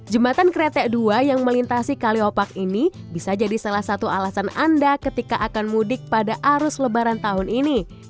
jembatan kretek dua yang melintasi kaliopak ini bisa jadi salah satu alasan anda ketika akan mudik pada arus lebaran tahun ini